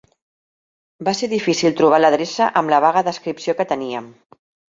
Va ser difícil trobar l'adreça amb la vaga descripció que teníem.